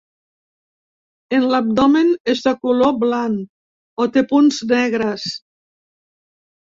En l'abdomen, és de color blan o té punts negres.